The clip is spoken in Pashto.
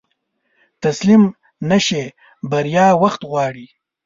تسليم نشې، بريا وخت غواړي.